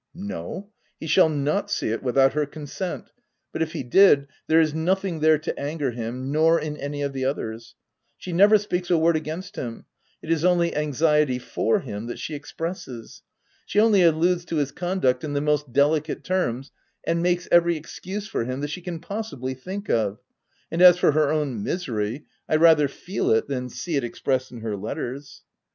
No, he shall not see it without her con sent ; but if he did, there is nothing there to anger him — nor in any of the others. She never speaks a word against him; it is only anxiety for him that she expresses. She only alludes to his conduct in the most delicate terms, and makes every excuse for him that she can possibly think of — and as for her own misery, I rather feel it than see it expressed in her letters."